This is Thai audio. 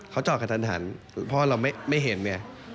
เขาจอดกันทันเพราะว่าเราไม่เห็นไง